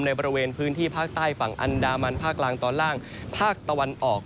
บริเวณพื้นที่ภาคใต้ฝั่งอันดามันภาคล่างตอนล่างภาคตะวันออก